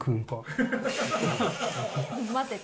待てって？